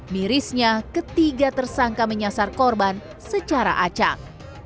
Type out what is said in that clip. mirisnya ketiga tersangka menyasar korban secara acang